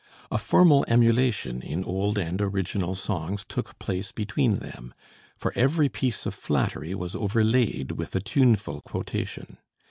A formal emulation in old and original songs took place between them; for every piece of flattery was overlaid with a tuneful quotation.